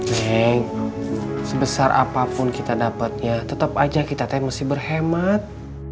neng sebesar apapun kita dapatnya tetap aja kita teh mesti berhemat